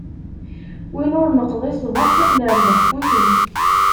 Win ur neqḍi ṣṣbeḥ, lerbaḥ futen.